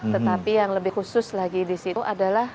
tetapi yang lebih khusus lagi disitu adalah